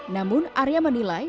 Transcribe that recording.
namun arya menilai